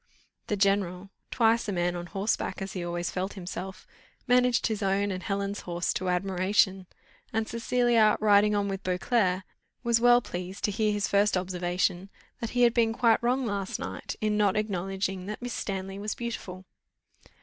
The general, twice a man on horseback, as he always felt himself, managed his own and Helen's horse to admiration, and Cecilia, riding on with Beauclerc, was well pleased to hear his first observation, that he had been quite wrong last night, in not acknowledging that Miss Stanley was beautiful.